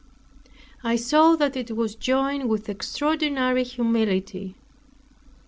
I saw that it was joined with extraordinary humility.